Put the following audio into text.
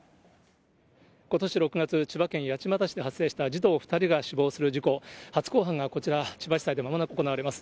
ことし６月、千葉県八街市で発生した児童２人が死亡する事故、初公判がこちら、千葉地裁でまもなく行われます。